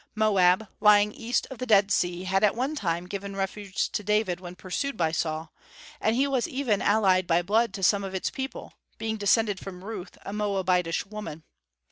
Moab, lying east of the Dead Sea, had at one time given refuge to David when pursued by Saul, and he was even allied by blood to some of its people, being descended from Ruth, a Moabitish woman.